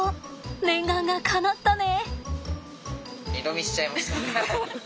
念願がかなったね！